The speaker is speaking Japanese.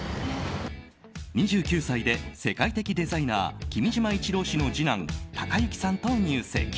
２９歳で世界的デザイナー君島一郎氏の次男誉幸さんと入籍。